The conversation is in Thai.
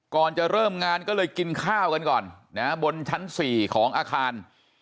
ก่อนจะเริ่มงานก็เลยกินข้าวกันก่อนบนชั้น๔ของอาคาร